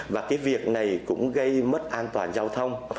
và cái việc này cũng gây mất an toàn giao thông